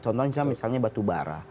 contohnya misalnya batu bara